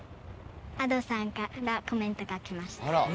Ａｄｏさんからコメントがきました。